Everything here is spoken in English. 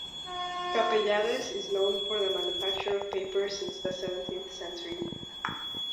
Capellades is known for the manufacture of paper since the seventeenth century.